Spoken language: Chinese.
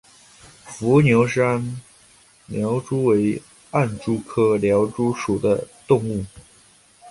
伏牛山隙蛛为暗蛛科隙蛛属的动物。